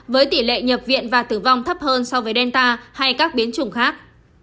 với tỷ lệ nhập viện và tử vong thấp hơn so với delta hay các biến chủng khác